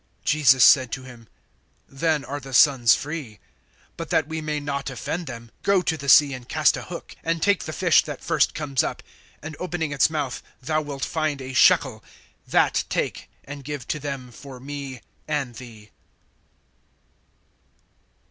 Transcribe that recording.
Jesus said to him: Then are the sons free. (27)But that we may not offend them, go to the sea and cast a hook, and take the fish that first comes up; and opening its mouth thou wilt find a shekel; that take, and give to them for me and thee.